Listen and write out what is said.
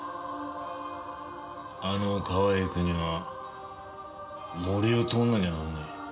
あの川へ行くには森を通んなきゃなんねえ。